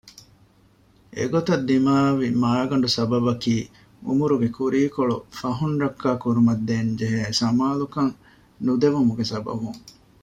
އެގޮތަށް ދިމާވި މައިގަނޑު ސަބަބަކީ ޢުމުރުގެ ކުރީ ކޮޅު ފަހަށް ރައްކާކުރުމަށް ދޭންޖެހޭ ސަމާލުކަން ނުދެވުމުގެ ސަބަބުން